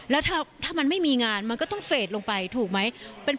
แล้วถ้ามันไม่มีงานมันก็ต้องเฟสลงไปถูกไหม